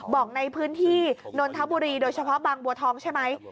บอกในพื้นที่นนทบุรีโดยเฉพาะบางบัวทองใช่ไหม